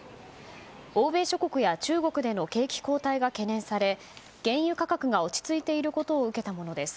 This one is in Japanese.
欧米諸国や中国での景気後退が懸念され、原油価格が落ち着いていることを受けたものです。